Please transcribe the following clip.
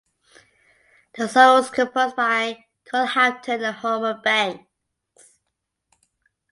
The song was composed by Carl Hampton and Homer Banks.